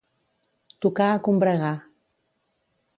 Tocar a combregar.